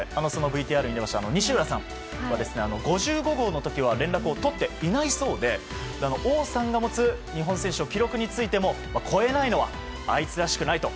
ＶＴＲに出ました西浦さんは５５号の時は連絡を取っていないそうで王さんが持つ日本選手の記録についても超えないのはあいつらしくないと。